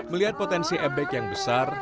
melihat potensi ebek yang besar